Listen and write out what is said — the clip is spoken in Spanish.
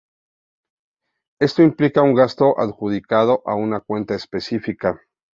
Esto implica un gasto adjudicado a una cuenta específica.